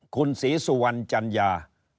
คุณศรีสุวรรณจัญญา